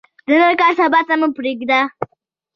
د نن کار، سبا ته مه پریږده.